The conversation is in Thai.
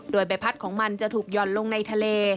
โดยใบพัดของมันจะถูกหย่อนลงในทะเล